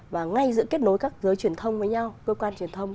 và ngay giữa kết nối các giới truyền thông với nhau cơ quan truyền thông